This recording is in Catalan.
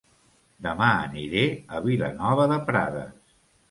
Dema aniré a Vilanova de Prades